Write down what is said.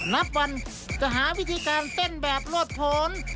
นับวันจะหาวิธีการเต้นแบบโลดผล